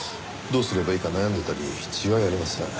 どうすればいいか悩んでいたに違いありません。